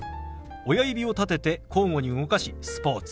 親指を立てて交互に動かし「スポーツ」。